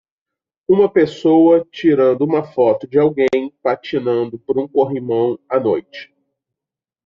Uma pessoa tirando uma foto de alguém patinando por um corrimão à noite.